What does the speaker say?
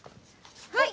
はい。